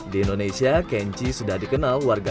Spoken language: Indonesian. di indonesia kenji sudah dikenal warga